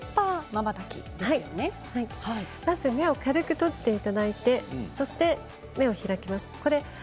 まず目を軽く閉じていただいて目を開きます。